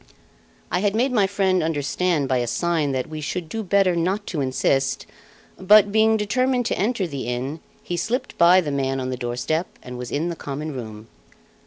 I had made my friend understand by a sign that we should do better not to insist; but, being determined to enter the inn, he slipped by the man on the doorstep and was in the common room.